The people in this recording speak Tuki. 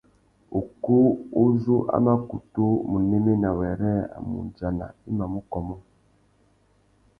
Ukú u zú a mà kutu mù néména wêrê a mù udjana i mà mù kômô.